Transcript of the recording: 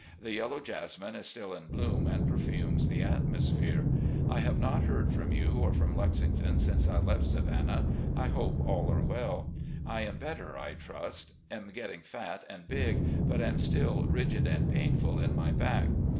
The yellow jasmine is still in bloom and perfumes the atmosphere. I have not heard from you or from Lexington since I left Savannah. I hope all are well. I am better, I trust ; am getting fat and big, but am still rigid and painful in my back.